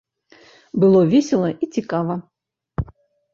Было весела і цікава.